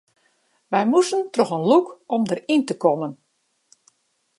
Wy moasten troch in lûk om deryn te kommen.